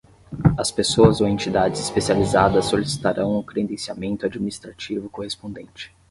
As pessoas ou entidades especializadas solicitarão o credenciamento administrativo correspondente.